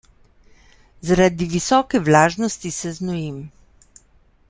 Zaradi visoke vlažnosti se znojim.